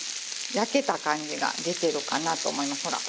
焼けた感じが出てるかなと思います。